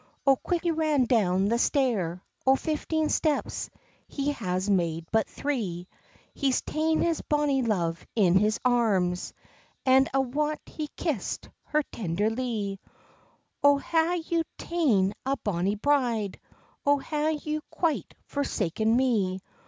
O quickly ran he down the stair, O fifteen steps he has made but three, He's tane his bonny love in his arms An a wot he kissd her tenderly. "O hae you tane a bonny bride? An hae you quite forsaken me?